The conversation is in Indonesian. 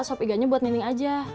sob i gaknya buat nenek aja